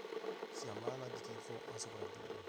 Si ammala di tifo ma sopravvive.